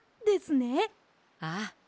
ああ。